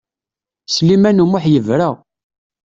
Sliman U Muḥ yebra.